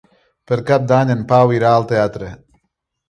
Per Cap d'Any en Pau irà al teatre.